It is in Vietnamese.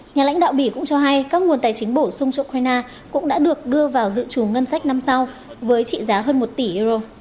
nhà lãnh đạo bỉ cũng cho hay các nguồn tài chính bổ sung cho ukraine cũng đã được đưa vào dự trù ngân sách năm sau với trị giá hơn một tỷ euro